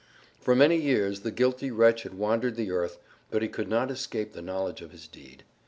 For many years the guilty wretch had wandered the earth, but he could not escape the knowledge of his deed.